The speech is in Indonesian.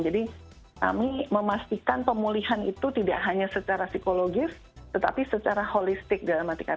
jadi kami memastikan pemulihan itu tidak hanya secara psikologis tetapi secara holistik dalam hati kata